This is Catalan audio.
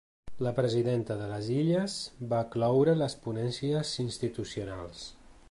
La presidenta de les Illes va cloure les ponències institucionals.